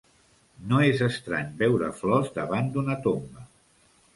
No és estrany veure flors davant d'una tomba.